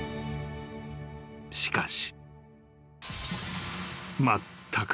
［しかし］